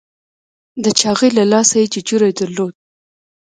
د چاغي له لاسه یې ججوری درلود.